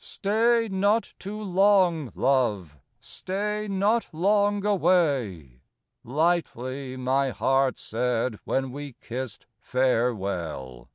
II "Stay not too long, love, stay not long away!" Lightly my heart said when we kissed farewell.